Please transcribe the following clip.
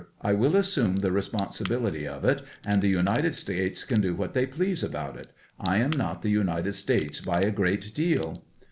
I will assume the responsibility of it and the United States can do what they please about it ; I am not the United States by a great deal.